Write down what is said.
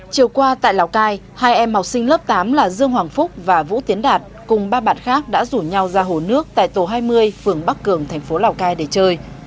chiều qua tại lào cai hai em học sinh lớp tám là dương hoàng phúc và vũ tiến đạt cùng ba bạn khác đã rủ nhau ra hồ nước tại tổ hai mươi phường bắc cường thành phố lào cai để chơi